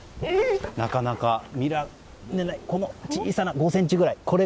なかなか見られないこの小さな５ｃｍくらいのもの。